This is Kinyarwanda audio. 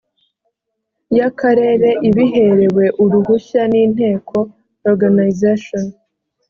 y akarere ibiherewe uruhushya n inteko organization